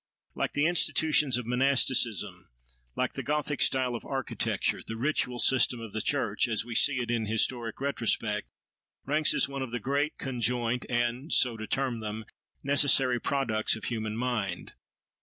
Like the institutions of monasticism, like the Gothic style of architecture, the ritual system of the church, as we see it in historic retrospect, ranks as one of the great, conjoint, and (so to term them) necessary, products of human mind.